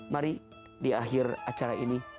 mari di akhir acara ini